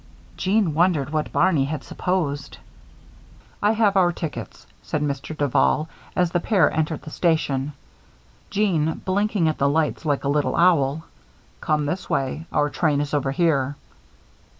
Jeanne wondered what Barney had supposed. "I have our tickets," said Mr. Duval, as the pair entered the station; Jeanne blinking at the lights like a little owl. "Come this way. Our train is over here."